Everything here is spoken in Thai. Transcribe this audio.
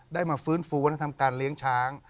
ได้มาฟื้นฟูวัฒนธรรมการเลี้ยงช้าง